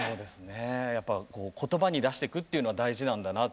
やっぱ言葉に出してくっていうのは大事なんだなって思いました。